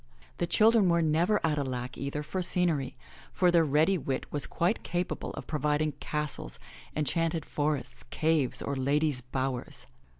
The children were never at a lack, either, for scenery, for their ready wit was quite capable of providing castles, enchanted forests, caves or ladies* bowers.